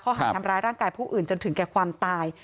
หารทำร้ายร่างกายผู้อื่นจนถึงแก่ความตาย